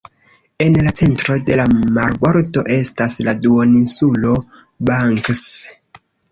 En la centro de la marbordo estas la Duoninsulo Banks.